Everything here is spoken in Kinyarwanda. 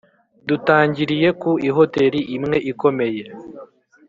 dutangiriye ku ihoteri imwe ikomeye